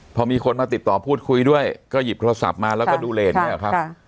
พอมีคนมาติดต่อพูดคุยด้วยก็หยิบโทรศัพท์มาแล้วก็ดูเลสเนี่ยครับ